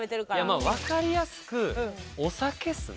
まあわかりやすくお酒っすね。